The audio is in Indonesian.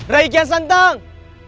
rai kiyan santang